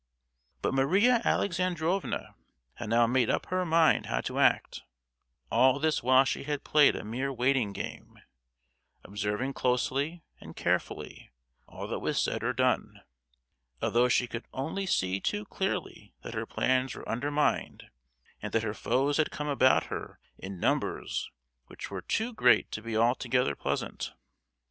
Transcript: But Maria Alexandrovna had now made up her mind how to act; all this while she had played a mere waiting game, observing closely and carefully all that was said or done, although she could see only too clearly that her plans were undermined, and that her foes had come about her in numbers which were too great to be altogether pleasant.